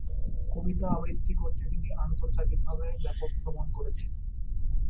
কবিতা আবৃত্তি করতে তিনি আন্তর্জাতিকভাবে ব্যাপক ভ্রমণ করেছেন।